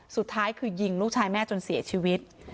สุดท้ายคือยิงลูกชายแม่จนเสียชีวิต